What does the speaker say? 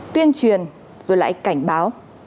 tuyên truyền rồi lại cảnh báo